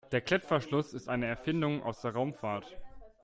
Der Klettverschluss ist eine Erfindung aus der Raumfahrt.